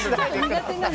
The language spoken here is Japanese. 苦手なの。